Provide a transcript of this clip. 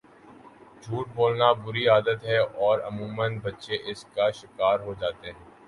جھوٹ بولنا بُری عادت ہے اور عموماً بچے اس کا شکار ہوجاتے ہیں